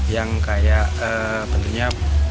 yang kayak bentuknya